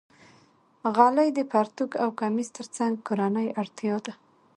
غلۍ د پرتوګ او کمیس تر څنګ کورنۍ اړتیا ده.